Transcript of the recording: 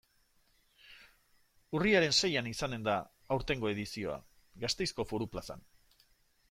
Urriaren seian izanen da aurtengo edizioa, Gasteizko Foru Plazan.